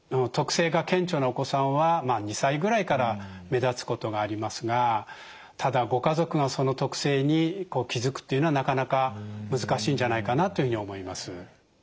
特性が顕著なお子さんは２歳ぐらいから目立つことがありますがただご家族がその特性に気付くっていうのはなかなか難しいんじゃないかなというふうに思います。